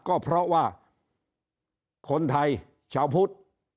ก็เพราะว่าคนไทยชาวพุทธ